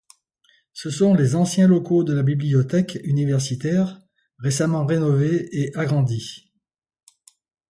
Ce sont les anciens locaux de la bibliothèque universitaire, récemment rénovés et agrandis.